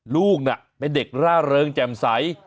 ลูกน่ะเป็นเด็กร่าเริงแจ่มใส